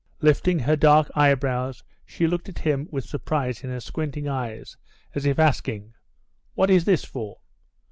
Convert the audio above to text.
Lifting her dark eyebrows, she looked at him with surprise in her squinting eyes, as if asking, "What is this for?"